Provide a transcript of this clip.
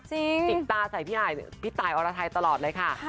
จิกตาใส่พี่ตายอรไทยตลอดเลยค่ะ